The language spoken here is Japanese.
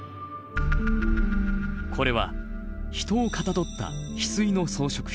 これはヒトをかたどったヒスイの装飾品。